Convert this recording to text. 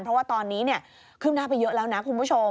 เพราะว่าตอนนี้ขึ้นหน้าไปเยอะแล้วนะคุณผู้ชม